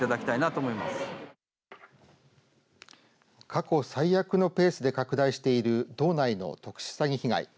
過去最悪のペースで拡大している道内の特殊詐欺被害